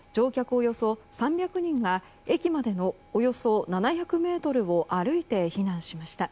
およそ３００人が駅までのおよそ７００ｍを歩いて避難しました。